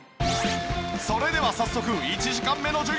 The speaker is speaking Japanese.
それでは早速１時間目の授業！